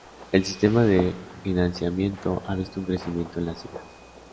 El sistema de financiamiento ha visto un crecimiento en las cifras.